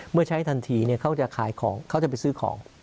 เมื่อใช้ทันทีเขาจะขายของเขาจะไปซื้อของ